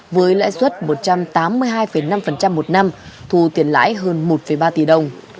với lãi suất một trăm tám mươi hai năm một năm thu tiền lãi hơn một ba tỷ đồng